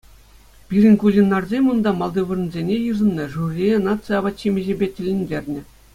Пирӗн кулинарсем унта малти вырӑнсене йышӑннӑ, жюрие наци апат-ҫимӗҫӗпе тӗлӗнтернӗ.